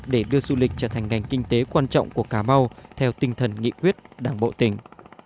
để đưa du lịch trở thành ngành kinh tế quan trọng của cà mau theo tinh thần nghị quyết đảng bộ tỉnh